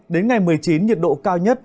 đến ngày một mươi chín nhiệt độ cao nhất